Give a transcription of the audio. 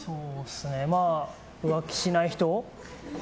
まあ、浮気しない人。